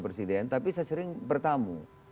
presiden tapi saya sering bertamu